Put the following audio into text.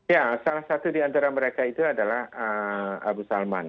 ya salah satu di antara mereka itu adalah abu salman